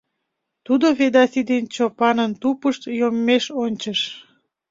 Тудо Ведаси ден Чопанын тупышт йоммеш ончыш.